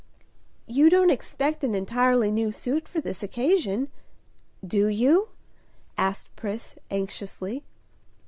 "You don't expect an entirely new suit for this occasion, do you?" asked Pris, anxiously.